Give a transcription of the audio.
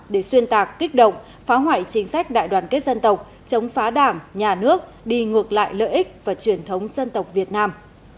để xuyên tạc kích động phá hoại chính sách đại đoàn kết dân tộc chống phá đảng nhà nước đi ngược lại lợi ích và truyền thống dân tộc việt nam